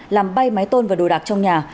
làm bay máy tôn và đồ đạc trong nhà